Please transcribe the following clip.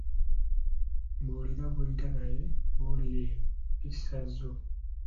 Mbulira gw’oyita naye, nkubuulire empisazo.